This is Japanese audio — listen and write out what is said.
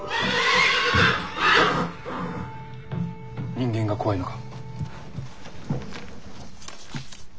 人間が怖いのか？